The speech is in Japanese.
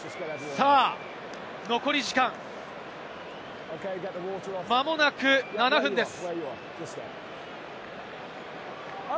残り時間、まもなく７分です。